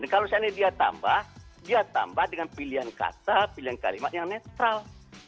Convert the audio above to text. kalau seandainya dia tambah dia tambah dengan pilihan kata pilihan kalimat yang netral